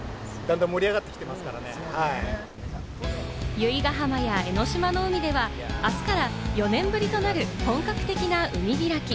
由比ガ浜や江の島の海では、あすから４年ぶりとなる本格的な海開き。